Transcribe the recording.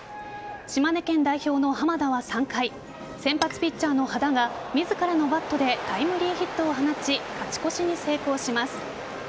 島根県代表の浜田は３回先発ピッチャーの波田が自らのバットでタイムリーヒットを放ち勝ち越しに成功します。